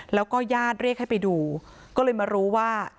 แล้วก็ญาติเรียกให้ไปดูก็เลยมารู้ว่า